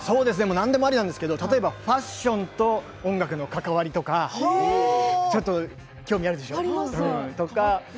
何でもありなんですがファッションと音楽との関わりとか、ちょっと興味があるでしょう？